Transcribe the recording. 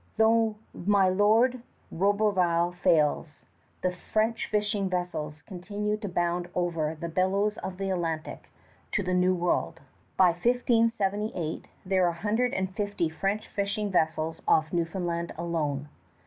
Though my Lord Roberval fails, the French fishing vessels continue to bound over the billows of the Atlantic to the New World. By 1578 there are a hundred and fifty French fishing vessels off Newfoundland alone.